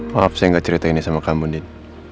maaf saya gak cerita ini sama kamu nid